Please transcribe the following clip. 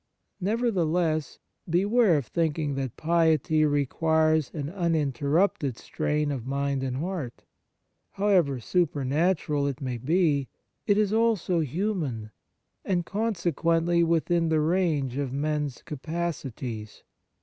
Nevertheless, beware of thinking that piety requires an uninterrupted strain of mind and heart. However supernatural it may be, it is also human, and consequently within the 51 On Piety range of men's capacities.